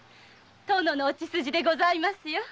殿のお血筋でございますよ。